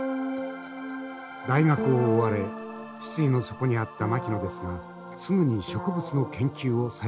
大学を追われ失意の底にあった牧野ですがすぐに植物の研究を再開します。